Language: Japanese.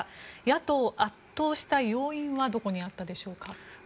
野党を圧倒した要因はどこにあったでしょうか？